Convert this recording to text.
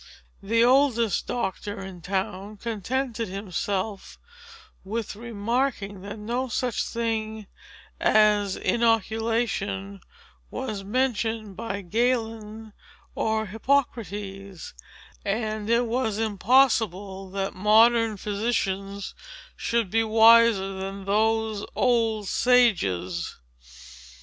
The oldest doctor in town contented himself with remarking, that no such thing as inoculation was mentioned by Galen or Hippocrates, and it was impossible that modern physicians should be wiser than those old sages.